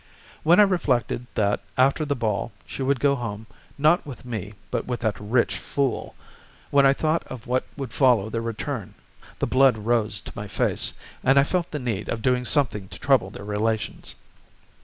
When I reflected that after the ball she would go home, not with me but with that rich fool, when I thought of what would follow their return, the blood rose to my face, and I felt the need of doing something to trouble their relations.